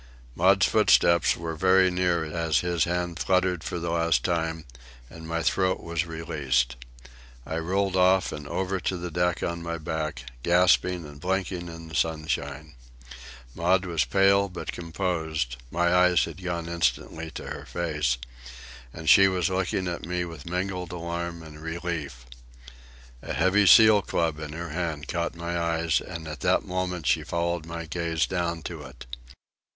Maud's footsteps were very near as his hand fluttered for the last time and my throat was released. I rolled off and over to the deck on my back, gasping and blinking in the sunshine. Maud was pale but composed,—my eyes had gone instantly to her face,—and she was looking at me with mingled alarm and relief. A heavy seal club in her hand caught my eyes, and at that moment she followed my gaze down to it.